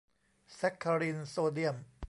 แซ็กคารินโซเดียม